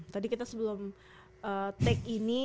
tadi kita sebelum take ini